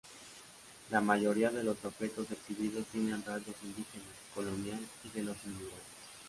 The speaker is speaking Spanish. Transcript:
La mayoría de los objetos exhibidos tiene rasgos indígenas, colonial y de los inmigrantes.